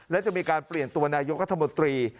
และจะมีการเปลี่ยนตัวนายกรัฐมนตรี